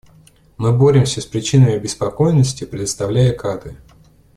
Мы боремся с причинами обеспокоенности, предоставляя кадры.